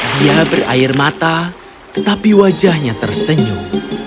dia berair mata tetapi wajahnya tersenyum